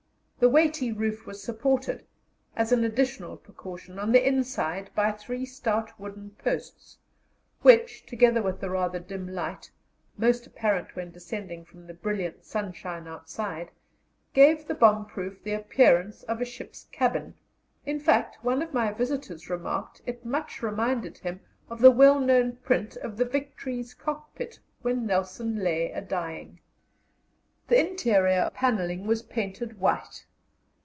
The weighty roof was supported, as an additional precaution, on the inside by three stout wooden posts, which, together with the rather dim light, most apparent when descending from the brilliant sunshine outside, gave the bomb proof the appearance of a ship's cabin; in fact, one of my visitors remarked it much reminded him of the well known print of the Victory's cockpit when Nelson lay a dying. The interior panelling was painted white.